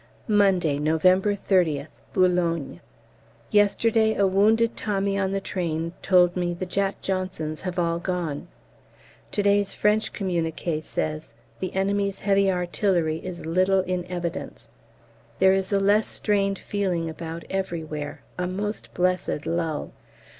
Monday, November 30th, Boulogne. Yesterday a wounded Tommy on the train told me "the Jack Johnsons have all gone." To day's French communiqué says, "The enemy's heavy artillery is little in evidence." There is a less strained feeling about everywhere a most blessed lull.